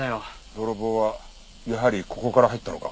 泥棒はやはりここから入ったのか。